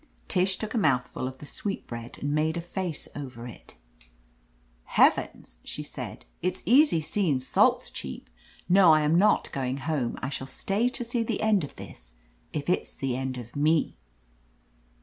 Tish took a mouthful of the sweetbread and made a face over it. "Heavens," she said, "it's easy seen salt's cheap. No, I am not going home. I shall stay to see the end of this if it's the end of me."